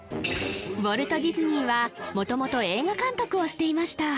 ウォルト・ディズニーは元々映画監督をしていました